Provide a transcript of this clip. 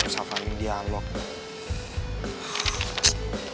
usah pamit dialog